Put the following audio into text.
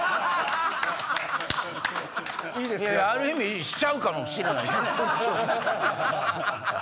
ある意味しちゃうかもしれない。